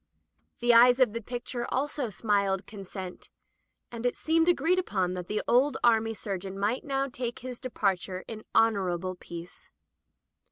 The eyes of the picture also smiled consent, and it seemed agreed upon that the old army surgeon might now take his departure in honorable peace.